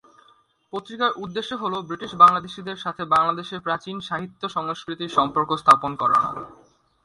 পত্রিকার উদ্দেশ্য হলো ব্রিটিশ বাংলাদেশীদের সাথে বাংলাদেশের প্রাচীন সাহিত্য-সংস্কৃতির সম্পর্ক স্থাপন করানো।